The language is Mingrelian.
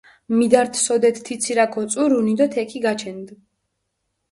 მიდართჷ სოდეთ თი ცირაქ ოწურუნი დო თექი გაჩენდჷ.